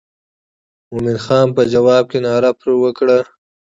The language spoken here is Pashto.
مومن خان په جواب کې ناره پر وکړه.